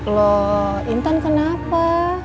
loh intan kenapa